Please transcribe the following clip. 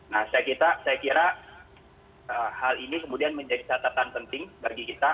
nah saya kira hal ini kemudian menjadi catatan penting bagi kita